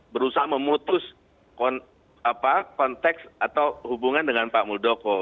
berusaha memutus konteks atau hubungan dengan pak muldoko